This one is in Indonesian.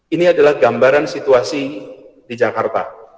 ini adalah gambaran situasi di jakarta